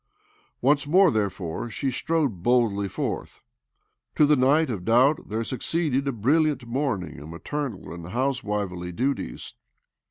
Once more, therefore, she strode boldly forward. To the night of doubt there succeeded a brilliant morning of maternal and housewifely duties.